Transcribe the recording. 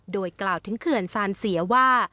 โดยกล่าวถึงเขื่อนซานเสียว่า